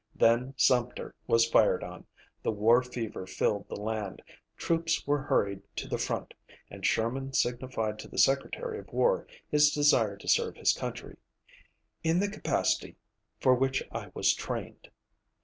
Then Sumter was fired on, the war fever filled the land, troops were hurried to the front, and Sherman signified to the Secretary of War his desire to serve his country "in the capacity for which I was trained."